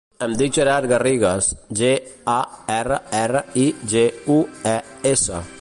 Em dic Gerard Garrigues: ge, a, erra, erra, i, ge, u, e, essa.